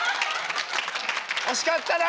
惜しかったな！